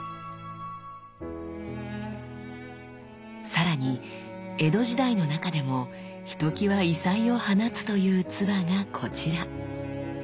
さらに江戸時代の中でもひときわ異彩を放つという鐔がこちら。